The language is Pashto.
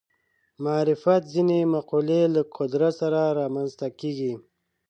معرفت ځینې مقولې له قدرت سره رامنځته کېږي